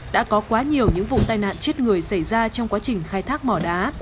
đã có quá nhiều những vụ tai nạn chết người xảy ra trong quá trình khai thác mỏ đá